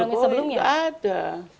program programnya belum ada